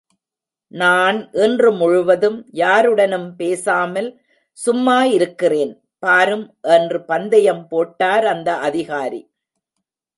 நான் இன்று முழுவதும் யாருடனும் பேசாமல் சும்மா இருக்கிறேன், பாரும் என்று பந்தயம் போட்டார் அந்த அதிகாரி.